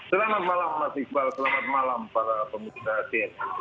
selamat malam mas iqbal selamat malam para pemutus asin